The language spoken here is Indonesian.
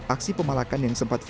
aksi pemalakan yang sempat viral